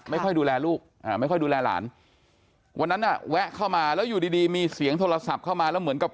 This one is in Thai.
ไม่ค่อยดูแลลูกไม่ค่อยดูแลหลานวันนั้นน่ะแวะเข้ามาแล้วอยู่ดีมีเสียงโทรศัพท์เข้ามาแล้วเหมือนกับ